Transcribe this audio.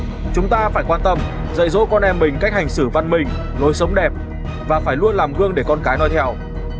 vì vậy chúng ta phải quan tâm dạy dỗ con em mình cách hành xử văn minh lối sống đẹp và phải luôn làm gương để con cái nói theo